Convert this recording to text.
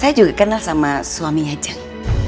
anda juga kenal sama suami yajang